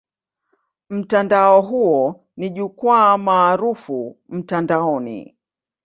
Mtandao huo ni jukwaa maarufu mtandaoni.